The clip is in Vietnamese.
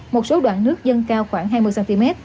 một số đoạn nước dâng cao khoảng hai mươi cm